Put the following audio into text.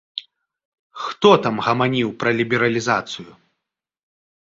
Хто там гаманіў пра лібералізацыю?